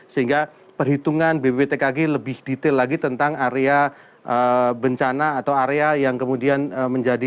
sehingga perhitungan bbtkg lebih detail lagi tentang area bencana atau area yang kemudian menjadi